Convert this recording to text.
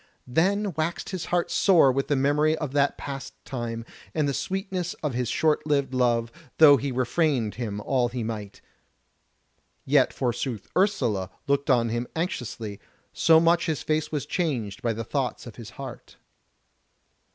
Then waxed his heart sore with the memory of that passed time, and the sweetness of his short lived love, though he refrained him all he might: yet forsooth Ursula looked on him anxiously, so much his face was changed by the thoughts of his heart.